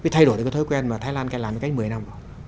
thay đổi được cái thói quen mà thái lan đã làm cách một mươi năm